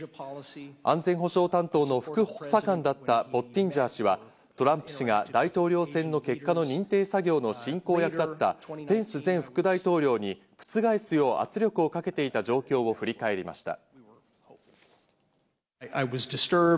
安全保障担当の副補佐官だったポッティンジャー氏はトランプ氏が大統領選の結果の認定作業の進行役だったペンス前副大統領に覆すよう圧力をかけていた状況を振り返りました。